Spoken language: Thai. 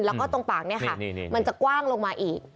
แล้วก็ตรงปากเนี่ยค่ะมันจะกว้างลงมาอีก